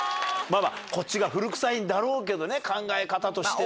こっちが古くさいんだろうけどね考え方としてはね。